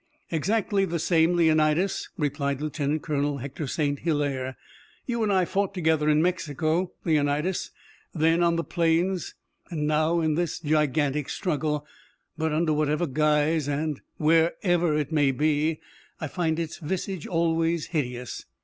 "Exactly the same, Leonidas," replied Lieutenant Colonel Hector St. Hilaire. "You and I fought together in Mexico, Leonidas, then on the plains, and now in this gigantic struggle, but under whatever guise and, wherever it may be, I find its visage always hideous.